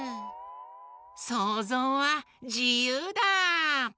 そうぞうはじゆうだ！